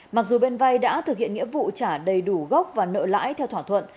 mặc dù bên vay đã thực hiện nghĩa vụ trả đầy đủ gốc và nợ lãi theo thỏa thuận